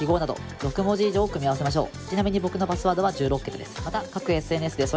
ちなみに僕のパスワードは１６桁です。